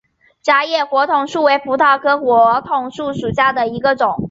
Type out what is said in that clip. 窄叶火筒树为葡萄科火筒树属下的一个种。